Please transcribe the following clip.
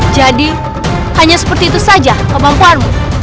jadi hanya seperti itu saja kemampuanmu